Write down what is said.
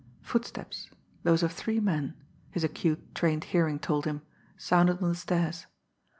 Footsteps, those of three men, his acute, trained hearing told him, sounded on the stairs.